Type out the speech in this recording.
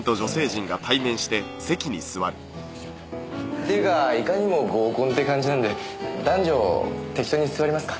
っていうかいかにも合コンって感じなんで男女適当に座りますか。